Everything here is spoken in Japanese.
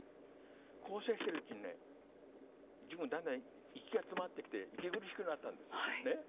校正してるうちにね自分がだんだん息が詰まってきて息苦しくなったんですね。